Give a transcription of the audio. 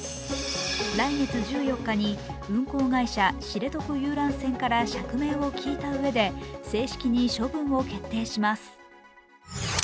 来月１４日に運航会社・知床遊覧船から釈明を聞いたうえで正式に処分を決定します。